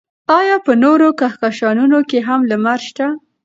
ایا په نورو کهکشانونو کې هم لمر شته؟